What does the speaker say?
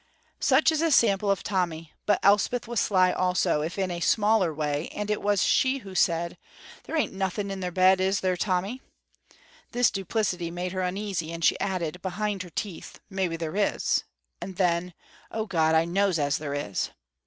Such is a sample of Tommy, but Elspeth was sly also, if in a smaller way, and it was she who said: "There ain't nothin' in the bed, is there, Tommy!" This duplicity made her uneasy, and she added, behind her teeth, "Maybe there is," and then, "O God, I knows as there is."